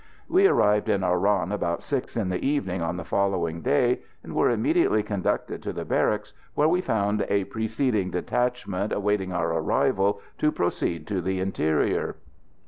We arrived in Oran about six in the evening on the following day, and were immediately conducted to the barracks, where we found a preceding detachment awaiting our arrival to proceed to the interior.